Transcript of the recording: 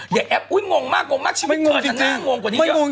อย่าแอบงงมากชีวิตเธอเป็นน่างงกว่านนึงเธอ